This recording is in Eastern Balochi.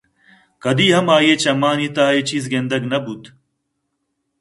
کدی ہم آئی ءِ چمانی تہا اے چیز گندگ نہ بوت